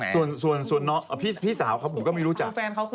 ส่วนพี่สาวเขาผมก็ไม่รู้จัก